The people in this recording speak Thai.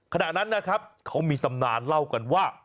ขณะนั้นนะครับเขามีตำนานเล่ากันว่า